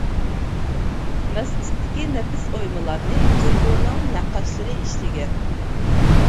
مەسچىتتىكى نەپىس ئويمىلارنى جۇڭگونىڭ نەققاشلىرى ئىشلىگەن.